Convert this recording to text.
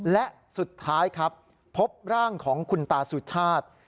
และสุดท้ายครับพบร่างของคุณตาสุชาติ